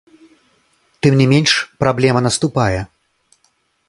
Тым не менш праблема наступае.